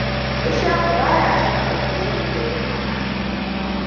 Ishaku baya shakkar ko zai iya yin haka.